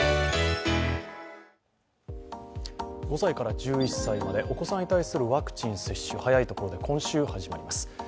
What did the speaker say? ５歳から１１歳までお子さんに対するワクチン接種早いところで今週始まります。